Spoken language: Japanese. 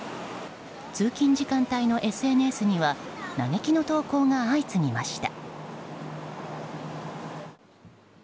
通勤時間帯のＳＮＳには嘆きの投稿が相次ぎました。